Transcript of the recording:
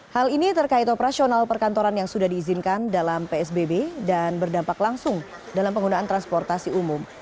hal ini terkait operasional perkantoran yang sudah diizinkan dalam psbb dan berdampak langsung dalam penggunaan transportasi umum